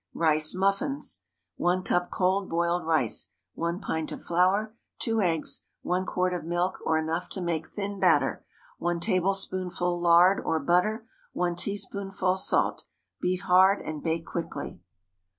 RICE MUFFINS. ✠ 1 cup cold boiled rice. 1 pint of flour. 2 eggs. 1 quart of milk, or enough to make thin batter. 1 tablespoonful lard or butter. 1 teaspoonful salt. Beat hard and bake quickly.